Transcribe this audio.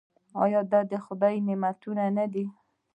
آیا دا د خدای نعمتونه نه دي؟